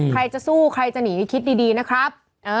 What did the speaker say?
ใครจะสู้ใครจะหนีคิดดีนะครับ